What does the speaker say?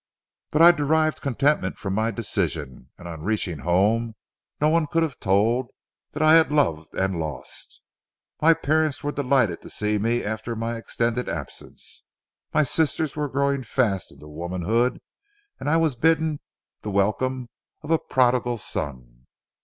But I derived contentment from my decision, and on reaching home no one could have told that I had loved and lost. My parents were delighted to see me after my extended absence, my sisters were growing fast into womanhood, and I was bidden the welcome of a prodigal son.